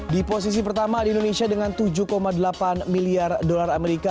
di posisi pertama di indonesia dengan tujuh delapan miliar dolar amerika